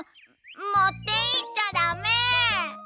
もっていっちゃだめ！